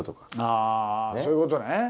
ああそういうことね。